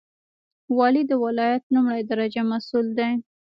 والی د ولایت لومړی درجه مسوول دی